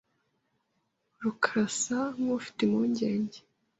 rukaraasa nkufite impungenge.